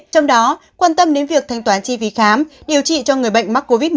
trong đó quan tâm đến việc thanh toán chi phí khám điều trị cho người bệnh mắc covid một mươi chín